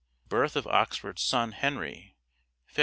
Birth of Oxford's son Henry (Feb.